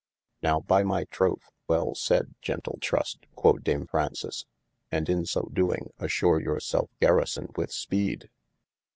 Nowe by m[y] troth well sayed gentle Trust quod Dame Fraunces, and in so doing, assure your selfe gueryson with speed.